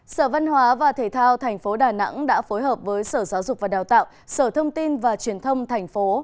sở văn hóa và thể thao tp đà nẵng đã phối hợp với sở giáo dục và đào tạo sở thông tin và truyền thông thành phố